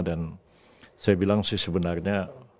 dan saya bilang sih sebenarnya